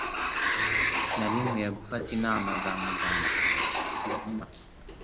Nari nkwiye gufata inama za muganga. (inuma)